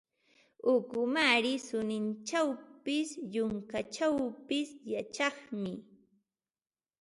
Ukumaari suninchawpis, yunkachawpis yachanmi.